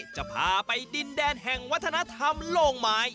จะพาไปดินแดนแห่งวัฒนธรรมโล่งไม้